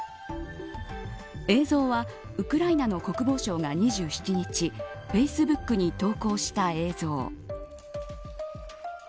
映像はウクライナの国防省が２７日フェイスブックに投稿した映像。